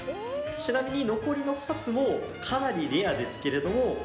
ちなみに、残りの２つもかなりレアですけども。